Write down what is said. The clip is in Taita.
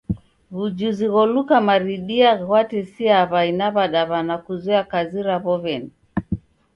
W'ujuzi gholuka maridia ghwatesiaa w'ai na w'adaw'ana kuzoya kazi raw'o w'eni.